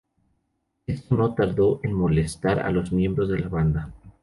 Esto no tardo en molestar a los miembros de la banda.